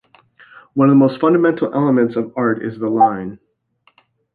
One of the most fundamental elements of art is the line.